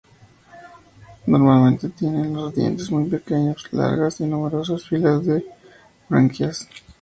Normalmente tienen los dientes muy pequeños; largas y numerosas filas de branquias.